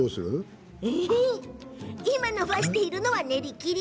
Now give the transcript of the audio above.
今、延ばしているのは練り切り。